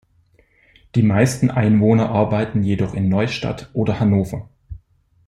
Die meisten Einwohner arbeiten jedoch in Neustadt oder Hannover.